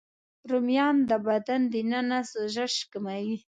رومیان د بدن دننه سوزش کموي